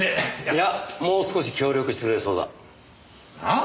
いやもう少し協力してくれるそうだ。はあ？